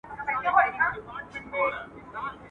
له مرغکیو به وي هیري مورنۍ سندري.